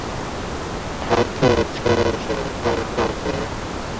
他最初想当画家。